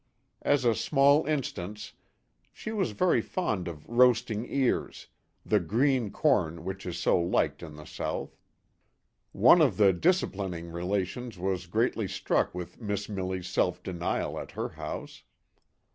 As a small instance : she was very fond of " roasting ears " the green corn which is so liked in the South. One of the " disciplining " relations was greatly struck with Missmilly's self denial at her house.